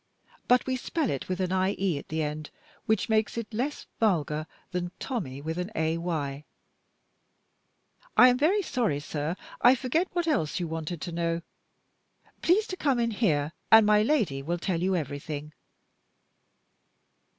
But we spell it with an i e at the end, which makes it less vulgar than Tommy with a y. I am very sorry, sir I forget what else you wanted to know. Please to come in here and my Lady will tell you everything."